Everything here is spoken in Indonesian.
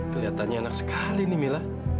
kelihatannya enak sekali nih mila